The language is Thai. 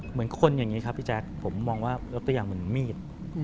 เหมือนคนอย่างนี้ครับพี่แจ๊คผมมองว่ายกตัวอย่างเหมือนมีด